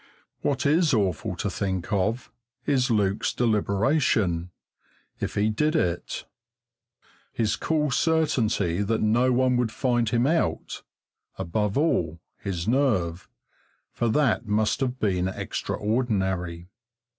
What is awful to think of, is Luke's deliberation, if he did it; his cool certainty that no one would find him out; above all, his nerve, for that must have been extraordinary.